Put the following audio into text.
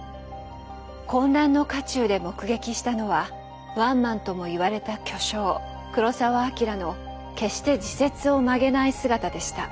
混乱の渦中で目撃したのはワンマンとも言われた巨匠黒澤明の決して自説を曲げない姿でした。